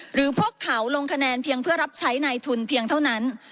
หรือพวกเขาลงคะแนนเพียงเพื่อรับใช้ในทุนเพียงเท่านั้น